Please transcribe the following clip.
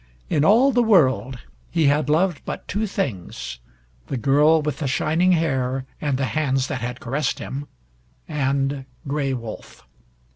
In all the world he had loved but two things, the girl with the shining hair and the hands that had caressed him and Gray Wolf.